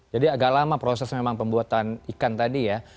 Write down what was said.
jadi agak lama proses memang pembuatan ikan tadi ya